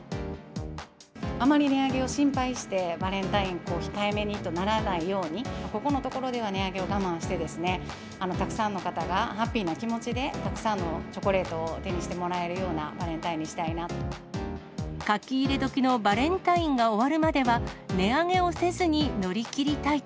あまり値上げを心配して、バレンタイン、控えめにとならないように、ここのところでは値上げを我慢して、たくさんの方がハッピーな気持ちで、たくさんのチョコレートを手にしてもらえるようなバレンタインにしたいなと。